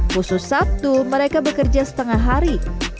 khusus sabtu mereka bekerja setengah hari